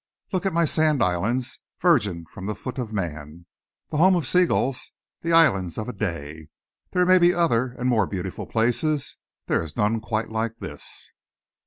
Look at my sand islands, virgin from the foot of man, the home of sea gulls, the islands of a day. There may be other and more beautiful places. There is none quite like this."